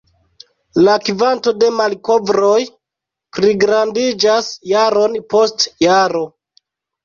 La kvanto de malkovroj pligrandiĝas jaron post jaro.